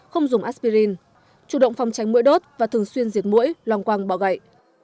không dùng aspirin chủ động phòng tránh mũi đốt và thường xuyên diệt mũi lòng quang bỏ gậy